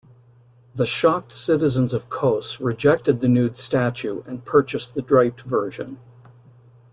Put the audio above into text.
The shocked citizens of Kos rejected the nude statue and purchased the draped version.